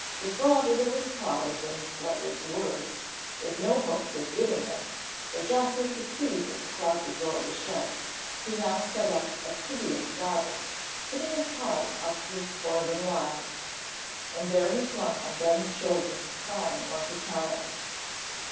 Defrauded of his prize and, what was worse, with no hopes of getting it, for Jocko could see that the closet door was shut, he now set up a piteous sobbing, putting his paws up to his poor little eyes. And there he clung on Ben's shoulder, crying like a child.